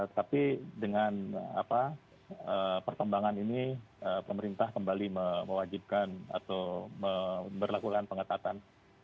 tapi dengan perkembangan ini pemerintah kembali mewajibkan atau memperlakukan pengetatan